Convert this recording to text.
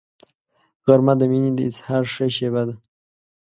غرمه د مینې د اظهار ښه شیبه ده